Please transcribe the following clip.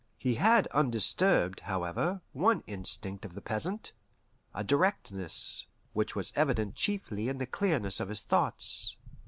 He had undisturbed, however, one instinct of the peasant a directness, which was evident chiefly in the clearness of his thoughts.